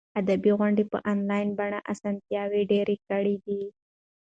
ادبي غونډې په انلاین بڼه اسانتیاوې ډېرې کړي دي.